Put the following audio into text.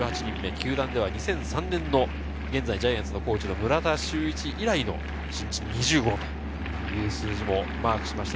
球団では２００３年の、現在ジャイアンツコーチの村田修一以来の一日２５本という数字もマークしました。